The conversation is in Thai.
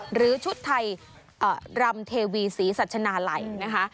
หรือชุดไทยรำเทวีศรีสัชนาลัยนะคะ